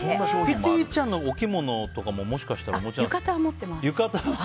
キティちゃんのお着物とかももしかしたらお持ちですか？